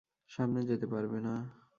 সামনে যেতে পারবে না।